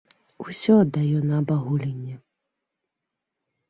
Усё аддаю на абагуленне.